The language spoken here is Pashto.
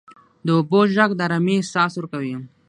• د اوبو ږغ د آرامۍ احساس ورکوي.